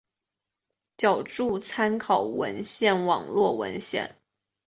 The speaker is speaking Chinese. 脚注参考文献网络文献